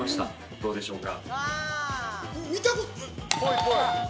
どうでしょうか？